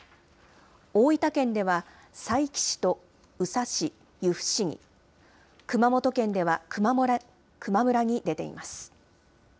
大分県では佐伯市と宇佐市、由布市に、熊本県では球磨村に出ています。